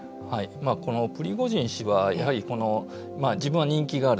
このプリゴジン氏はやはりこの自分は人気がある。